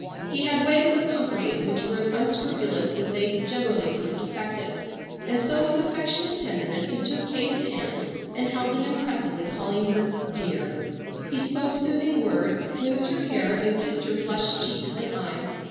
He had ways of comforting which were as unscrupulous as they generally proved effective, and so with affectionate tenderness he took Kate's hand and held it impressively, calling her "dear." He spoke soothing words, smoothed her hair, and kissed her flushed cheeks and eyes.